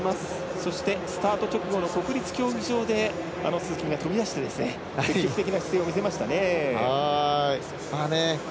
そして、スタート直後の国立競技場で鈴木が飛び出して積極的な姿勢を見せましたね。